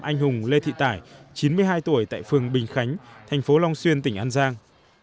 anh hùng lê thị tải chín mươi hai tuổi tại phường bình khánh thành phố long xuyên tỉnh an giang